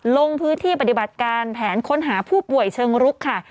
ลงพื้นที่ปฏิบัติการแผนค้นหาผู้ป่วยเชิงรุกค่ะ